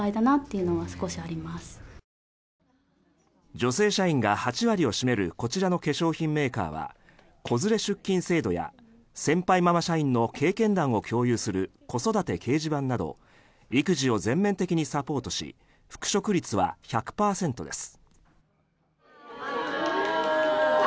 女性社員が８割を占めるこちらの化粧品メーカーは子連れ出勤制度や先輩ママ社員の経験談を共有する子育て掲示板など育児を全面的にサポートし復職率は１００％です。